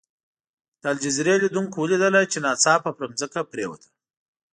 د الجزیرې لیدونکو ولیدله چې ناڅاپه پر ځمکه پرېوته.